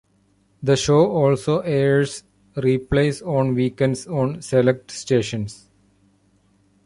The show also airs replays on weekends on select Stations.